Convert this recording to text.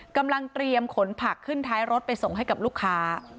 กำลังเตรียมขนผักขึ้นท้ายรถไปส่งให้กับลูกค้า